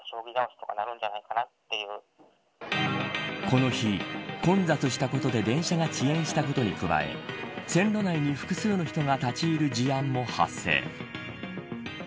この日、混雑したことで電車が遅延したことに加え線路内に複数の人が立ち入る事案も発生。